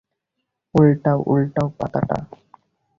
উল্টাও, উল্টাও পাতাটা।